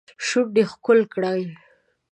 شونډې ښکل کړي